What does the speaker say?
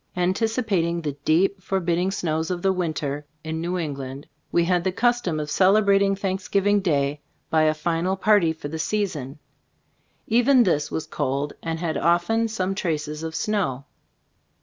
An ticipating the deep, forbidding snows of the winter in New England, we had the custom of celebrating Thanksgiving day by a final party for the season. Even this was cold and had often some traces of snow.